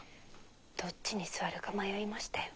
どっちに座るか迷いましたよ。